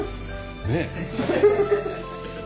ねえ？